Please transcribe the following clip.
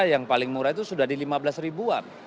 yang paling murah itu sudah di lima belas ribuan